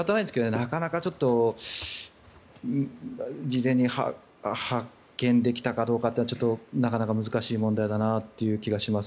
なかなかちょっと事前に発見できたかどうかというのはちょっとなかなか難しい問題だなという気がします。